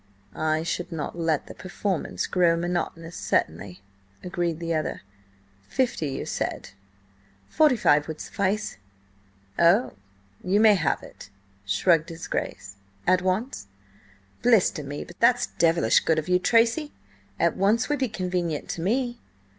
"I should not let the performance grow monotonous, certainly," agreed the other. "Fifty, you said?" "Forty five would suffice." "Oh, you may have it!" shrugged his Grace. "At once?" "Blister me, but that's devilish good of you, Tracy! At once would be convenient to me!"